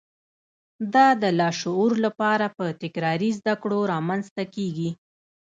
دا د لاشعور لپاره په تکراري زده کړو رامنځته کېږي